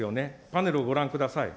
パネルをご覧ください。